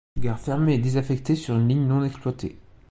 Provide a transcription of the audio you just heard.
Gare fermée et désaffectée sur une ligne non exploitée.